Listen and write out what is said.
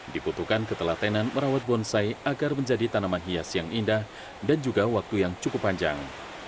dibutuhkan ketelatenan merawat bonsai agar menjadi tanaman hias yang indah dan juga waktu yang cukup panjang